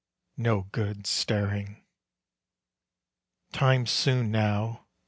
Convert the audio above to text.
No good staring. Time soon now ...